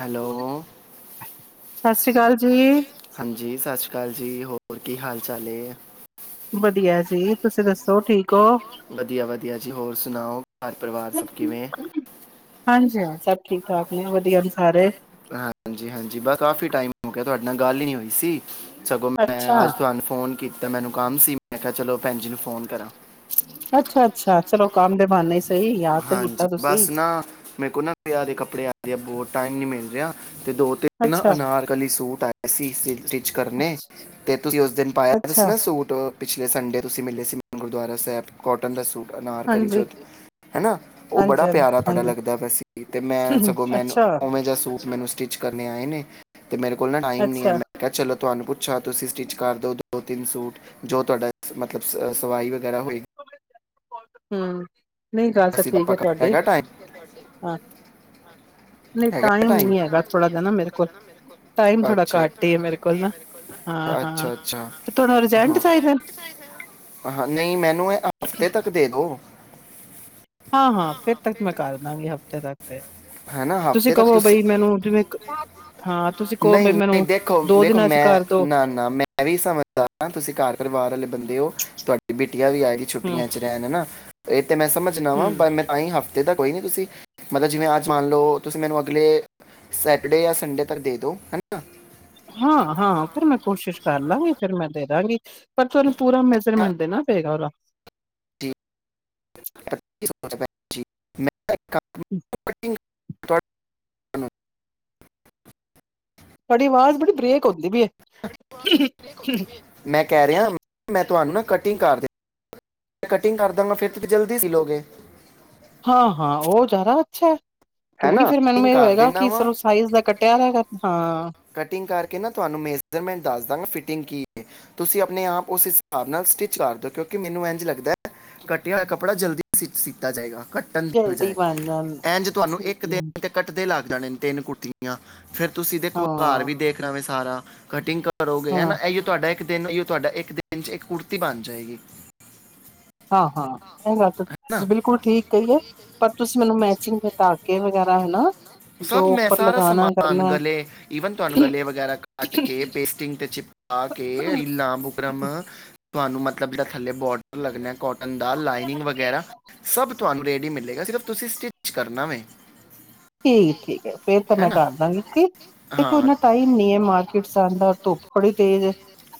Hello ਸਤਿ ਸ਼੍ਰੀ ਅਕਾਲ ਜੀ। ਹਾਂਜੀ ਸਤਿ ਸ਼੍ਰੀ ਅਕਾਲ ਜੀ ਹੋਰ ਕੀ ਹਾਲ ਚਾਲ ਏ ਵਧੀਆ ਜੀ ਤੁਸੀਂ ਦੱਸੋ ਠੀਕ ਹੋ? ਵਧੀਆ ਵਧੀਆ ਜੀ ਹੋਰ ਸੁਣਾਓ ਘਰ ਪਰਿਵਾਰ ਸਭ ਕਿਵੇਂ ਹਾਂਜੀ ਹਾਂ ਸਭ ਠੀਕ ਠਾਕ ਨੇ ਵਧੀਆ ਨੇ ਸਾਰੇ ਹਾਂਜੀ ਹਾਂਜੀ ਬਸ ਕਾਫੀ ਟਾਈਮ ਹੋ ਗਿਆ। ਤੁਹਾਡੇ ਨਾਲ ਗੱਲ ਹੀ ਨਹੀਂ ਹੋਈ ਸੀ। ਸਗੋਂ ਅੱਛਾ ਮੈਂ ਅੱਜ ਤੁਹਾਨੂੰ ਫੋਨ ਕੀਤ ਤੇ ਮੈਨੂੰ ਕੰਮ ਸੀ। ਮੈਂ ਕਿਹਾ ਚਲੋ ਭੈਨ ਜੀ ਫ਼ੋਨ ਅੱਛਾ ਅੱਛਾ ਚਲੋ ਕੰਮ ਦੇ ਬਾਨੇ ਹੀ ਸਈ ਹਾਂਜੀ ਬਸ ਨਾ ਮੇਰੇ ਕੋ ਨਾ ਵਿਆ ਦੇ ਕੱਪੜੇ ਆ ਆ ਬਹੁਤ ਟਾਈਮ ਨ ਮਿਲ ਜੇਆ ਤੇ ਦੋ ਤਿੰਨ ਨਾ ਅੱਛਾ ਅਨਾਰਕਲੀ ਸੂਟ ਆਏ ਸੀ। ਸਟਿਚ ਕਰਨੇ ਅੱਛਾ ਤੇ ਤੁਸੀਂ ਉਸ ਦਿਨ ਪਾਇਆ ਸੀ ਅੱਛਾ, ਨਾ ਸੂਟ ਪਿਛਲੇ ਸੰਡੇ ਤੁਸੀਂ ਮਿਲੇ ਸੀ ਮੈਨੂੰ ਗੁਰਦੁਆਰਾ ਸਾਹਿਬ ਕੋਟਨ ਦਾ ਸੂਟ ਅਨਾਰਕਲੀ ਹਾਂਜੀ ਚ ਹਨਾ ਉਹ ਬੜਾ ਹਾਂਜੀ ਹਾਂਜੀ ਪਿਆਰਾ ਤੁਹਾਡਾ ਹਾਂਜੀ ਲੱਗਦਾ ਪਿਆ ਸੀ। ਤੇ ਮੈਂ ਸਗੋਂ ਮੈਨੂੰ ਅੱਛਾ ਉਵੇਂ ਜ ਸੂਟ ਮੈਨੂੰ ਸਟਿਚ ਕਰ ਨੇ ਆਏ ਨੇ ਤੇ ਮੇਰੇ ਕੋਲ ਨਾ ਟਾਈਮ ਨੀ ਅੱਛਾ ਮੈਂ ਕਿਹਾ ਚਲੋ ਤੁਹਾਨੂੰ ਪੁੱ ਅੱਛਾ ਤੁਸੀਂ ਸਟਿੱਚ ਕਰ ਦਿਉ ਦੋ ਤਿੰਨ ਸੂਟ ਜੋ ਤੁਹਾਡਾ ਮਤਲਬ ਸ ਸਵਾਈ ਵਗੈਰਾ ਹੋਏ ਹੂੰ। ਨਹੀਂ ਗੱਲ ਤਾਂ ਅਸੀਂ ਠੀਕ ਆਪਾਂ ਹੈ ਕਰ- ਤੁਹਾਡੀ, ਹੈਗਾ ਟਾਈਮ ਹਾਂ ਨਹੀਂ ਟਾਈਮ ਨੀ ਹੈਗਾ ਥੋੜ੍ਹਾ ਜ ਨਾ ਮੇਰੇ ਕੋਲ। ਟਾਈਮ ਥੋੜ੍ਹਾ ਅੱਛਾ ਘੱਟ ਹੀ ਏ ਮੇਰੇ ਕੋਲ ਨਾ, ਹਾਂ ਨਾ ਹਾਂ ਅੱਛਾ ਅੱਛਾ ਤੇ ਤੁਹਾਨੂੰ ਡਿਜਾਇਨ ਚ ਹਾਂ ਚਾਹੀਦੇ ਨੇ ਹਾਂ ਨਹੀਂ ਮੈਨੂੰ ਇਹ ਹਫਤੇ ਤੱਕ ਦੇ ਦਿਓ ਹਾਂ ਹਾਂ ਫਿਰ ਤੱਕ ਮੈਂ ਕਰ ਦਵਾਗੀ ਹਫ਼ਤੇ ਤੱਕ ਤੇ ਹੈਨਾ ਤੁਸੀਂ ਹਫਤੇ ਤੱਕ ਕਹੋ ਬਈ ਮੈਨੂੰ ਜਿਵੇਂ ਇੱਕ ਨਹੀਂ ਨਹੀਂ ਦੇਖੋ ਦੇਖੋ ਦਿਨਾਂ ਚ ਮੈਂ ਕਰਦੋ ਨਾ ਨਾ ਮੈਂ ਵੀ ਸਮਝਦਾਰ ਆ ਤੁਸੀਂ ਘਰ ਪਰਿਵਾਰ ਵਾਲੇ ਬੰਦੇ ਦੇ ਓ। ਤੁਹਾਡੀ ਬੇਟੀ ਬਿਟੀਆ ਵੀ ਆਏਗੀ ਹੂੰ ਛੁੱਟੀਆਂ ਚ ਰਹਿਣ ਨਾ ਤੇ ਤੇ ਮੈਂ ਸਮਝ ਨਾ ਵਾਂ ਹੂੰ ਪਰ ਮੈਂ ਤਾਂ ਹੀ ਹਫ਼ ਏ ਤਾਂ ਕੋਈ ਨੀ ਤੁਸੀਂ ਮਤਲਬ ਜਿਵੇਂ ਅੱਜ ਮੰਨ ਲਓ ਤੁਸੀਂ ਮੈਨੂੰ ਅਗਲੇ ਸੈਟਰਡੇ ਜਾਂ ਸੰਡੇ ਦੇ ਦੋ। ਹਨਾ ਹਾਂ-ਹਾਂ ਫਿਰ ਮੈਂ ਕੋਸ਼ਿਸ਼ ਕਰ ਲਾਂਗੀ ਫੇਰ ਮੈਂ ਦੇ ਦਾਂਗੀ ਪਰ ਤੁਹਾਨੂੰ ਪੂਰਾ ਜਾਂ ਮੈਜਰਮੈਂਟ ਦੇਨਾ ਓਹਦਾ ਜੀ [inaudible] [inaudible] [unintelligible] ਤੁਹਾਡੀ ਆਵਾਜ਼ ਬੜੀ ਬਰੇਕ ਹੁੰਦੀ ਪਈ ਆ। ਮੈਂ ਕਹਿ ਰਿਹਾ ਮੈਂ ਤੁਹਾਨੂੰ ਨਾ ਕਟਿੰਗ ਕਰਦੇ ਕਟਿੰਗ ਕਰ ਦਾਂਗਾ ਫਿਰ ਜਲਦੀ ਸੀ ਲੋਗੇ। ਹਾਂ ਹਾਂ ਉਹ ਜ਼ਾਦਾ ਅੱਛਾ। ਹੈ ਨਾ ਕਿਉਂਕਿ ਫੇਰ ਮੈਨੂੰ ਕਟਿੰਗ ਇਹ ਕਰ ਹੋਏਗਾ ਦੇਣਾ ਕਿ ਵਾ ਸਰੋ ਸਾਈਜ਼ ਦਾ ਕੱਟਿਆ ਹੈਗਾ ਹਾਂ ਕਟਿੰਗ ਕਰਕੇ ਨਾ ਤੁਹਾਨੂੰ ਮੇਜਰਮੈਂਟ ਦੱਸ ਦਾਂਗਾ ਫਿਟਿੰਗ ਕੀ ਕੀ ਏ। ਤੁਸੀਂ ਆਪਣੇ ਆਪ ਉਸ ਹਿਸਾਬ ਨਾਲ ਸਟਿੱਚ ਕਰ ਦਿਓ ਕਿਉਂਕਿ ਮੈਨੂੰ ਇੰਝ ਲੱਗਦਾ ਹੈ ਕੱਟਿਆ ਹੋਇ ਕੱਪੜਾ ਜਲਦੀ ਸਟਿਚ ਕੀਤਾ ਜਾਏਗਾ। ਕੱਟਣ ਦੀ ਜਲਦੀ ਬਜਾਏ ਬਣ ਜਾਣ ਇੰਝ ਤੁਹਾਨੂੰ ਇੱਕ ਦਿਨ ਤੇ ਕੱਟਦੇ ਲਗ ਜਾਣੇ ਨੇ ਤਿੰਨ ਕੁੜਤੀਆਂ ਫੇਰ ਤੁਸੀ ਘਰ ਹਾਂ ਵੀ ਦੇਖਣਾ ਵੇ ਸਾਰਾ ਕਟਿੰਗ ਕ ਕਰੋਗੇ ਹਾਂ ਹੈ ਨਾ ਇਉ ਤੁਹਾਡਾ ਈਓ ਤੁਹਾਡਾ ਇੱਕ ਦਿਨ 'ਚ ਇੱਕ ਕੁੜਤੀ ਬਣ ਜਾਏਗੀ। ਹਾਂ-ਹਾਂ, ਇਹ ਗੱਲ ਨਾ ਤਾਂ ਬਿਲਕੁਲ ਠੀਕ ਕਹੀਏ ਪਰ ਤੁਸੀਂ ਮੈਨੂੰ ਮੈਚਿੰਗ ਦੇ ਟਾਕੇ ਵਗੈਰਾ ਹਨਾ ਜੋ ਸਭ ਮੈਂ ਉੱਪਰ ਸਾਰਾ ਲਗਾਣਾ ਸਮਾਨ ਕਰਨਾ ਗਲੇ ਈਵਨ ਤੁਹਾਨੂੰ ਗਲੇ ਵਗੈਰਾ ਕੱਟ ਕੇ ਪੇਸਟਿੰਗ ਤੇ ਚਿਪਕਾ ਕੇ ਰੀਲਾਂ, ਬੁਕਰਮ ਤੁਹਾਨੂੰ ਮਤਲਬ ਜਿਹੜਾ ਥੱਲੇ ਬੋਡ ਲੱਗਣਾ ਕੋਟ ਬੰਦਾ ਲਾਈਨਿੰਗ ਵਗੈਰਾ ਸਭ ਤੁਹਾਨੂੰ ਰੇਡੀਮੇਡ ਦੇਗਾ ਸਿਰਫ ਤੁਸੀਂ ਸਟਿੱਚ ਕਰਨਾ ਵੇ ਠੀਕ-ਠੀਕ ਏ ਫੇਰ ਤਾਂ ਹੈ ਮੈਂ ਨਾ ਕਰਦਾ ਗੀ ਠਕਿ ਦੇਖੋ ਹਾਂ ਏਨਾ ਟਮ ਨੀ ਏ ਮਾਰਕੀਟ ਜਾਦਾ ਧੁੱਪ ਬੜੀ ਤੇਜ ਏ।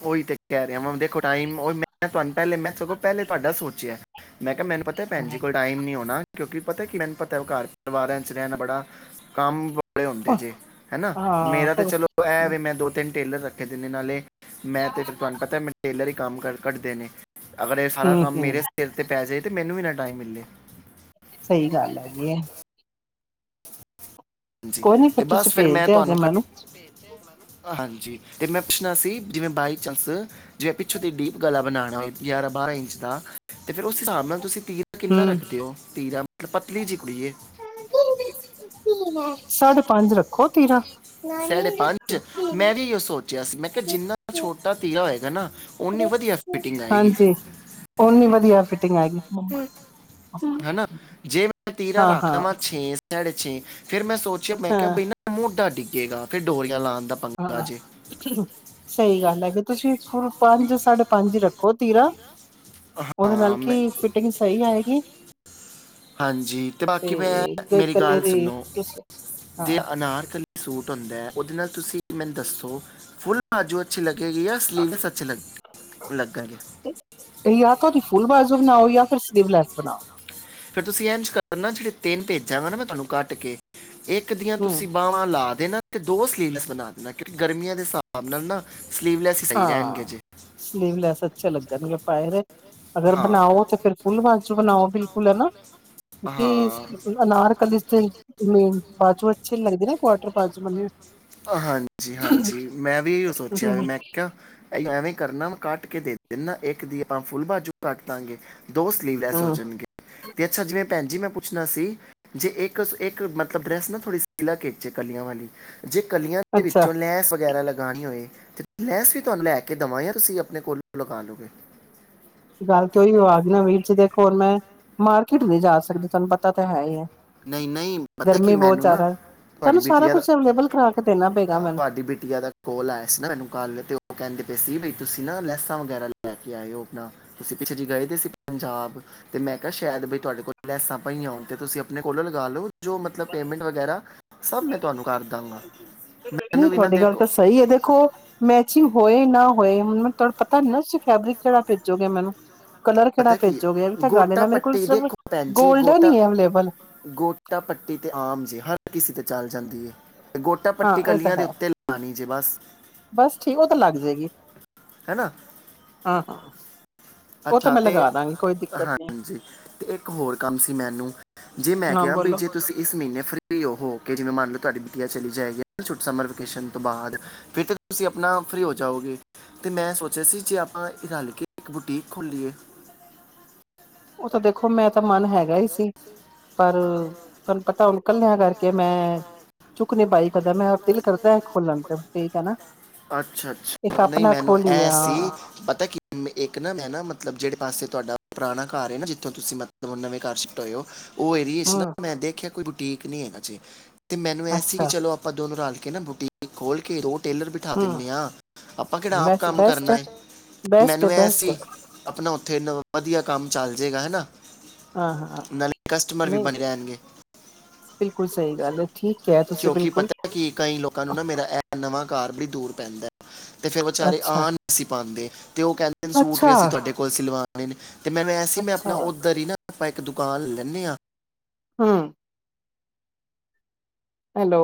ਉਹੀ ਤੇ ਕਹਿ ਰਿਹਾ ਮੈਂ ਦੇਖੋ ਟਾਈਮ ਉਹ ਮੈਂ ਤੁਹਾਨੂੰ ਪਹਿਲੇ, ਮੈਂ ਸਗੋਂ ਪਹਿਲੇ ਤੁਹਾਡਾ ਸੋਚਿਆ। ਮੈਂ ਕਿਹਾ, ਮੈਨੂੰ ਪਤਾ ਭੈਣ ਜੀ ਕੋਲ ਟਾਈਮ ਨਹੀਂ ਹੋਣਾ। ਕਿਉਂਕਿ ਪਤਾ ਕੀ ਮੈਨੂੰ ਪਤਾ ਘਰ ਪਰਿਵਾਰਾਂ ਚ ਰਹਿਣਾ ਬੜਾ ਕੰਮ ੜੇ ਹੁੰਦੇ ਜੇ ਹੈ ਨਾ ਹਾਂ ਮੇਰਾ ਤੇ ਫਿਰ ਚਲੋ ਐ ਵੀ ਮੈਂ ਦੋ-ਤਿੰਨ ਟੇਲਰ ਰੱਖੇ ਦੇ ਨੇ ਨਾਲੇ ਮੈਂ ਤੇ ਫਿਰ ਤੁਹਾਨੂੰ ਪਤਾ ਮੈ ਟੇਲਰ ਈ ਕੰਮ ਕਰ ਕੱਢਦੇ ਨੇ ਅਗਰ ਇਹ ਸਾਰਾ ਕੰਮ ਹੂੰ-ਹੂੰ ਮੇਰੇ ਸਿਰ ਤੇ ਪੈ ਜੇ ਤੇ ਮੈਨੂੰ ਵੀ ਨਾ ਟਾਈਮ ਮਿਲ ਲੇ ਸਹੀ ਗੱਲ ਹੈਗੀ ਹੈ। ਜੀ ਕੋਈ ਨੀ ਤੇ ਤੁਸੀਂ ਬਸ ਫਿਰ ਭੇਜ ਮੈਂ ਦਿਆ ਜੇ ਤੁਹਾਨੂੰ ਕ ਮੈਨੂੰ ਹਾਂਜੀ। ਤੇ ਮੈਂ ਪੁੱਛਣਾ ਸੀ ਜਿਵੇਂ ਬਾਈ ਚਾਂਸ ਜੇ ਪਿੱਛੋਂ ਦੀ ਡੀਪ ਗਲਾ ਬਣਾਣਾ ਹੋਵੇ ਗਿਆਰਾਂ-ਬਾਰਾਂ ਇੰਚ ਦਾ ਤੇ ਫੇਰ ਉਸ ਹਿਸਾਬ ਨਾਲ ਤੁਸੀਂ ਤੀਰ ਕਿੰਨਾ ਹੂੰ ਰੱਖਦੇ ਹੋ ਤੀਰਾ ਪਤਲੀ ਜੀ ਕੁੜੀ ਏ ਸਾਢੇ ਪੰਜ ਰੱਖੋ ਤੀਰਾ। ਸਾਡੇ ਪੰਜ ਮੈਂ ਵੀ ਏਉ ਸੋਚਿਆ ਸੀ। ਮੈਂ ਕਿਹਾ ਜਿੰਨਾ ਛੋਟਾ ਤੀਰਾ ਹੋਏਗਾ- ਹੈ ਨਾ। ਓਨੀ ਵਧੀਆ ਫਿਟਿੰਗ ਆਏਗੀ ਹਾਂਜੀ ਉਨੀ ਵਧੀਆ ਫਿ ਟਿਂਗ ਆਏ ਗੀਤ। ਹਨਾ, ਜੇ ਮੈਂ ਤੀਰਾ ਰੱਖ ਹਾਂ ਦਾਵਾਂ ਛੇ ਸਾਢੇ ਛੇ ਫਿਰ ਮੈਂ ਸੋਚ ਮੈਂ ਕਿਹਾ ਹਾਂ ਬਈ ਨਾ ਮੋਡਾ ਡਿਗ ਕਹੇਗ ਫਿਰ ਡੋਰੀਆਂ ਲਾਣ ਹਾਂ, ਸਹੀ ਗੱਲ ਹੈ ਕਿ ਤੁਸੀਂ ਫੁਲ ਪੰਜ ਸਾਢੇ ਪੰਜ ਹੀ ਰੱਖੋ ਤੀਰਾ। ਉਹਦੇ ਨਾਲ ਹਾਂ ਮੈਂ ਕੀ ਫਿਟਿੰਗ ਸਹੀ ਆਏਗੀ। ਹਾਂਜੀ, ਤੇ ਬਾਕੀ ਮੈਂ ਤੇ ਮੇਰੀ ਗਲੇ ਗੱਲ ਦੀ ਸੁਣੋ ਤੁਸੀਂ ਜ ਹਾਂ ਅਨਾਰ ਕਲ ਸੂਟ ਹੁੰਦਾ ਉਹਦੇ ਨਾਲ ਤੁਸੀਂ ਮੈਨੂੰ ਦੱਸੋ ਫੁੱਲ ਬਾਜੂ ਅੱਛੀ ਲੱ ਅੱਗੇ ਆ ਸਲੀਵਨੈਸ ਅੱਛੀ ਲੱ ਲੱਗਾਗੇ। ਫੁਲ ਬਾਜ਼ੋ ਬਣਾਓ ਜਾਂ ਫਿਰ ਸਲੀਵਲੈਸ ਬਣਾਓ। ਫੇਰ ਤੁਸੀਂ ਇੰਝ ਕਰਨਾ ਜਿਹੜੇ ਤਿੰਨ ਭੇਜਾ ਗਾ ਨਾ ਮੈਂ ਤੁਹਾਨੂੰ ਕੱਟ ਕੇ ਇੱਕ ਦੀਆਂ ਤੁਸੀਂ ਹੂੰ ਬਾਹਵਾਂ ਲਾ ਦੇ ਨਾ। ਤੇ ਦੋ ਸਲੀਵਲੈਸ ਬਣਾ ਦੇਣਾ ਕਿਉਂਕਿ ਗਰਮੀਆਂ ਦੇ ਹਿਸਾਬ ਨਾਲ ਨਾ ਸਲੀਵਲੈਸ ਹੀ ਸਹੀ ਰਹਿਣਗੇ ਹਾਂ, ਜੇ ਸਲੀਵਲੈਸ ਅੱਛਾ ਲੱਗਦਾ। ਗਰਮੀ ਆ ਪਏਰੇ ਅਗਰ ਹਾਂ ਬਣਾਓ ਤੇ ਫਿਰ ਫੁਲ ਬਾਜੂ ਬਣਾਓ ਬਿਲਕੁਲ ਹੈਨਾ, ਕਿ ਹਾਂ ਅਨਾਰ ਕਲੀ ਦੇ ਮੇਨ ਬਾਜੂ ਅੱਛੀ ਨਹੀ ਲੱਗਦੀ ਨਾ ਕੁਆਟਰ ਬਾਜੂ ਹਾਂਜੀ ਕਿ ਐਵੇਂ ਕਰਨਾ ਕੱਟ ਕੇ ਦੇ ਜਿੰਨਾ ਇੱਕ ਦੀ ਆਪਾਂ ਫੁੱਲ ਬਾਜੂ ਕੱਟ ਦਾਂਗੇ। ਦੋ ਸਲੀਵ ਲੈਸ ਹੋਚਣਗੇ, ਤੇ ਅੱਛਾ ਜਿਵੇਂ ਭੈਣ ਜੀ ਮੈਂ ਪੁੱਛਣਾ ਸੀ, ਜੇ ਇੱਕ, ਇੱਕ ਮਤਲਬ ਡਰੈਸ ਨਾ ਥੋੜੀ ਸਿਲਕ ਵਿਚ ਏ ਕਲੀਆਂ ਵਾਲੀ। ਜੇ ਕਲੀਆਂ ਦੇ ਅੱਛਾ ਵਿੱਚੋਂ ਲੈਂਸ ਵਗੈਰਾ ਲੱ ਲਾਣੀ ਹੋਏ, ਤੇ ਲੈਂਸ ਵੀ ਤੁਹਾਨੂੰ ਲੈ ਕੇ ਦੱਵਾਂ ਯਾ ਤੁਸੀਂ ਆਪਣੇ ਕੋਲੋਂ ਲਗਾ ਲਓਗੇ। ਗੱਲ ਤੇਹੀ ਔਈਯੋ ਆਗੀ ਨਾ ਵੀਰ ਜੀ ਦੇਖੋ ਹੂਣ ਮੈਂ ਮਾਰਕੀਟ ਨੀੰ ਜਾ ਸਕਦੀ ਤੁਹਾਨੂੰ ਪਤਾ ਤੇ ਹੈ ਈ ਏ। ਨਹੀਂ, ਨਹੀਂ ਪਤਾ ਕੀ ਮੈਨੂੰ ਨਾ, ਤੁਹਾਡੀ ਤੁਹਾਨੂੰ ਸਾਰਾ ਬੇਟੀਆਂ ਦਾ ਕੁਛ ਅਵੇਲੇਬਲ ਕਰਾ ਕੇ ਦੇਣਾ ਪਏਗਾ ਮੈਨੂੰ। ਤੁਹਾਡੀ ਬੇਟੀਆਂ ਦਾ ਕੋਲ ਆਇਆ ਸੀ ਨਾ ਮੈਨੂੰ ਕੱਲ ਤੇ ਉਹ ਕਹਿੰਦੇ ਪਏ ਸੀ ਬਈ ਤੁਸੀਂ ਨਾ ਲੈਸਾਂ ਵਗੈਰਾ ਲੈ ਕੇ ਆਏਯੋ ਆਪਣਾ ਤੁਸੀਂ ਪਿੱਛੇ ਜਿ ਗਏ ਦੇ ਸੀ ਪੰਜਾਬ ਤੇ ਮੈਂ ਕਿਹਾ ਸ਼ਾਇਦ ਬਈ ਤੁਹਾਡੇ ਕੋਲ ਲੈਸਾਂ ਪਈਆਂ ਹੋਣ ਤੇ ਤੁਸੀਂ ਆਪਣੇ ਕੋਲ ਲਗਾ ਲਓ ਜੋ ਮਤਲਬ ਪੇਮੈਂਟ ਵਗੈਰਾ ਸਭ ਮੈਂ ਤੁਹਾਨੂੰ ਕਰ ਦਾਂਗਾ ਮੈਨੂੰ ਨਹੀਂ ਵੀ ਨਾ ਤੁਹਾਡੀ ਗੱਲ ਦੇਖੋ ਤਾਂ ਸਹੀ ਹੈ ਦੇਖੋ ਮੈਚੀ ਹੋਏ ਨਾ ਹੋਏ ਹੁਣ ਮੈਨੂੰ ਤੋੜਾ ਪਤਾ ਨਾ ਤੁਸੀਂ ਫੈਬਰਿਕ ਕਿਹੜਾ ਪੇਜੋਗੇ ਮੈਨੂੰ? ਕਲਰ ਕਿਹੜਾ ਪਤਾ ਕੀ ਹੈ, ਭੇਜੋਗੇ ਇਹ ਵੀ ਤਾਂ ਗੱਲ ਹੈ ਗੋਟਾ ਨਾ ਮੇਰੇ ਕੋਲ ਪੱਟੀ ਸਿਰਫ ਦੇਖੋ ਭੈਣ ਜੀ ਗੋਲਡਨ ਗੋਟਾ, ਹੀ ਹੈ ਅਵੇਲੇਬਲ ਗੋਟਾ ਪੱਟੀ ਤੇ ਆਮ ਜੇ ਹਰ ਕਿਸੇ ਤੇ ਚੱਲ ਜਾਂਦੀ ਏ। ਹਾਂ, ਇਹ ਤਾਂ ਹੈ, ਜੇ ਬਸ ਬਸ ਠੀਕ ਉਹ ਤਾਂ ਲੱਗ ਜਯੇਗੀ। ਹੈਨਾ ਹਾ- ਹਾਂ। ਉਹ ਤਾਂ ਅੱਛਾ ਮੈਂ ਤੇ, ਲਗਾ ਦਾਂਗੀ ਕੋਈ ਦਿੱਕਤ ਨੀ ਹਾਂਜੀ ਤੇ ਇੱਕ ਹੋਰ ਕੰਮ ਸੀ ਮੈਨੂੰ ਜੇ ਮੈਂ ਹਾਂ ਕਿਹਾ ਬੋਲੋ। ਵੀ ਜੇ ਤੁਸੀਂ ਇਸ ਮਹੀਨੇ ਫਰੀ ਹੋ ਹੋ ਕੇ ਜਿਵੇਂ ਮੰਨ ਲਓ ਤੁਹਾਡੀ ਬੁਟੀਆਂ ਚਲੀ ਜਾਏਗੀ ਹੇਨਾ ਛੋਟ ਸਮਰ ਵੇਕੇਸ਼ਨ ਤੋਂ ਬਾਅਦ ਫਿਰ ਤਾਂ ਤੁਸੀਂ ਆਪਣਾ ਫਰੀ ਹੋ ਜਾਓਗੇ, ਤੇ ਮੈਂ ਸੋਚਿਆ ਸੀ ਜੇ ਆਪਾਂ ਇਹ ਰਲ ਕੇ ਇੱਕ ਬੁਟੀ ਖੋਲੀਏ। ਉਹ ਤਾਂ ਦੇਖੋ ਮੈਂ ਤਾਂ ਮਨ ਹੈਗਾ ਹੀ ਸੀ। ਪਰ ਤੁਹਾਨੂੰ ਪਤਾ ਹੁਣ ਕੱਲਿਆਂ ਕਰਕੇ ਮੈਂ ਚੁ ਤੇ ਠੀਕ ਹੈ ਨਾ ਇੱਕ ਅੱਛਾ-ਅੱਛਾ ਨਹੀਂ ਆਪਣਾ ਮੈਨੂੰ ਖੋਲੀ ਇਹ ਸੀ ਹਾਂ ਪਤਾ ਕੀ ਇੱਕ ਨਾ ਮੈਂ ਨਾ ਮਤਲਬ ਜਿਹੜੇ ਪਾਸੇ ਤੁਹਾਡਾ ਪੁਰਾਣਾ ਘਰ ਹੈ ਨਾ ਜਿੱਥੋਂ ਤੁਸੀਂ ਮਤਲਬ ਨਵੇਂ ਘਰ ਸ਼ਿਫਟ ਹੋਏ ਓ ਔਹ ਏਰੀਯੇ ਚ ਹੂੰ ਮੈਂ ਦੇਖਿਆ ਕੋਈ ਬੂ ਠੀਕ ਨੀੰ ਹੈਗਾ ਜੇ। ਤੇ ਮੈਨੂੰ ਐ ਸੀ ਅੱਛਾ ਦੋਨੋ ਰਲ ਕੇ ਨਾ ਬੂਟੀਕ ਖੋਲ ਕੇ ਰੋਟ ਟੇਲਰ ਬਿਠਾ ਹੂੰ ਦਿਨੇ ਹਾਂ, ਆਪਾਂ ਕਿਹੜਾ ਆਪ ਬਸ ਕੰਮ ਬੈਸਟ ਕਰਨਾ ਹੈ ਏ, ਬੈਸਟ ਹੈ ਮੈਨੂੰ ਬੈਸਟ ਐਸੀ ਆਪਣਾ ਥੇ ਨ ਵਧੀਆ ਕੰਮ ਚੱਲ ਜੇਗਾ ਹੈਨਾ। ਹਾਂ, ਹਾਂ ਨਹੀਂ ਬਣੇ ਰਹਿਣਗੇ ਬਿਲਕੁਲ ਸਹੀ ਗੱਲ ਹੈ, ਠੀਕ ਐ। ਕਿਉਂਕਿ ਪਤਾ ਕਿ ਕਈ ਲੋਕਾਂ ਨੂੰ ਨਾ ਮੇਰਾ ਇਹ ਨਵਾਂ ਘਰ ਬੜੀ ਦੂਰ ਪੈਂਦਾ। [unintelligible] ਤੇ ਫਿਰ ਵਿਚਾਰੇ ਅੱਛਾ ਆ ਨਹੀਂ ਸੀ ਪਾਉਂਦੇ ਤੇ ਉਹ ਕਹਿੰਦੇ ਸੂਟ ਅੱਛਾ ਵੀ ਅਸੀਂ ਤੁਹਾਡੇ ਕੋਲ ਸਿਲਵਾ [unintelligible] ਤੇ ਮੈਂ ਵੈਸੇ ਹੀ ਮੈਂ ਆਪਣਾ ਅੱਛਾ ਉੱਧਰ ਹੀ ਨਾ ਆਪਾਂ ਇੱਕ ਦੁਕਾਨ ਲੈਂਦੇ ਹਾਂ। ਹੂੰ। ਹੈਲੋ।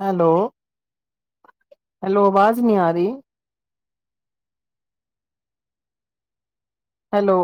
ਹੈਲੋ। ਹੈਲੋ ਆਵਾਜ਼ ਨੀ ਆ ਰਹੀ। ਹੈਲੋ।